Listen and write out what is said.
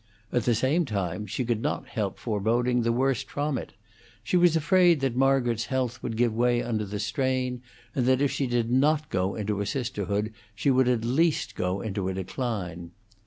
At the same time, she could not help foreboding the worst from it; she was afraid that Margaret's health would give way under the strain, and that if she did not go into a sisterhood she would at least go into a decline.